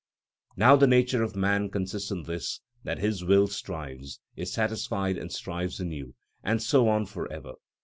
_): Probl. c. 19. Now the nature of man consists in this, that his will strives, is satisfied and strives anew, and so on for ever.